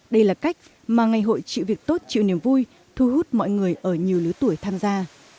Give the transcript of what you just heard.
đây là cách mà ngày hội chịu việc tốt chịu niềm vui thu hút mọi người ở nhiều lứa tuổi tham gia